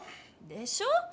でしょ！